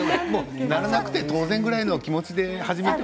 やらなくて当然ぐらいな気持ちでね。